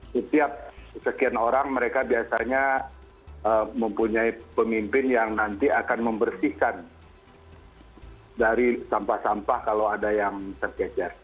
setiap sekian orang mereka biasanya mempunyai pemimpin yang nanti akan membersihkan dari sampah sampah kalau ada yang tercecer